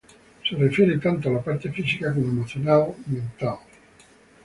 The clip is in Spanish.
Se refiere tanto a la parte física como emocional y mental.